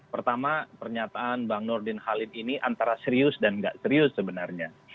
pertama pernyataan bang nurdin halid ini antara serius dan nggak serius sebenarnya